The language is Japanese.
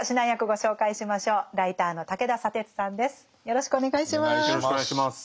よろしくお願いします。